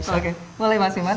oke boleh mas iman